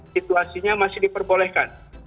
situasinya masih diperbolehkan